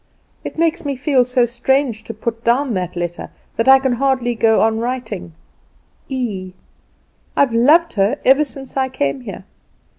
It makes me feel so strange to put down that letter, that I can hardly go on writing 'E'. I've loved her ever since I came here.